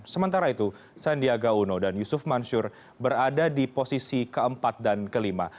sementara itu sandiaga uno dan yusuf mansur berada di posisi keempat dan kelima